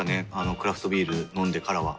クラフトビール飲んでからは。